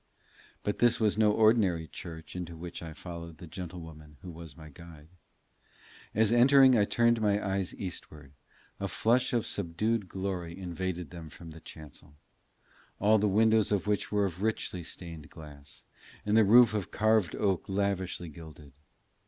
But this was no ordinary church into which I followed the gentlewoman who was my guide. As entering I turned my eyes eastward, a flush of subdued glory invaded them from the chancel, all the windows of which were of richly stained glass, and the roof of carved oak lavishly gilded.